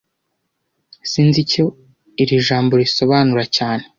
Sinzi icyo iri jambo risobanura cyane